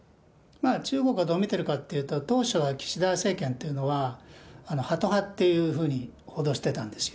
中国がどう見てるかっていうと、当初は岸田政権というのは、ハト派っていうふうに報道してたんですよ。